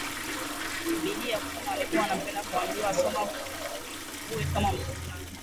Bidii ya kusoma alikuwa anapenda kuambiwa soma uwe kama mtu fulani